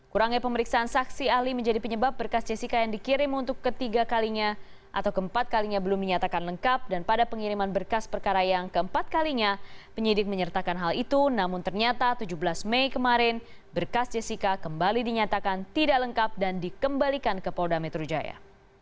kurangnya pemeriksaan saksi ahli menjadi penyebab berkas jessica yang dikirim untuk ketiga kalinya atau keempat kalinya belum dinyatakan lengkap dan pada pengiriman berkas perkara yang keempat kalinya penyidik menyertakan hal itu namun ternyata tujuh belas mei kemarin berkas jessica kembali dinyatakan tidak lengkap dan dikembalikan ke polda metro jaya